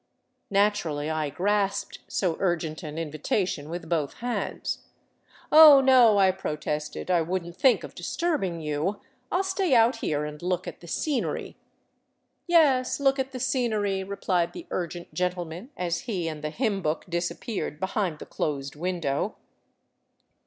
Naturally I grasped so urgent an invitation with both hands. " Oh, no," I protested, " I would n't think of disturbing you. I '11 stay out here and look at the scenery." "Yes, look at the scenery," replied the urgent gentleman, as he and the hymn book disappeared behind the closed window.